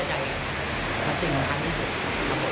เอ๊ะทำอะไรยังอยู่ต่อไหมต้องทุ่งเลือนดู